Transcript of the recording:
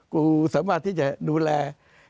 กูสามารถที่จะดูแล